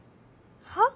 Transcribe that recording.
はっ？